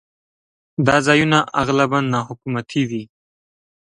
دا ځایونه اغلباً ناحکومتي وي.